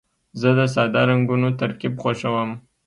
زه د ساده رنګونو ترکیب خوښوم.